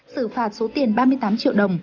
xử phạt số tiền ba mươi tám triệu đồng